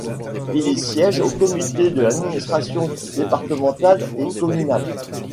Il y siège au comité de l'administration départementale et communale.